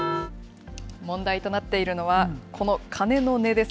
問題となっているのは、この鐘の音です。